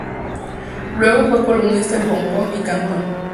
Luego fue columnista en Hong Kong y Cantón.